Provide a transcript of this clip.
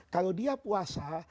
kalau dia puasa